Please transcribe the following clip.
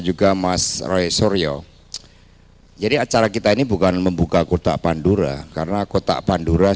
juga mas roy soryo jadi acara kita ini bukan membuka kota pandura karena kota pandura sudah